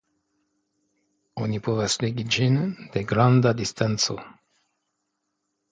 Oni povas legi ĝin de granda distanco.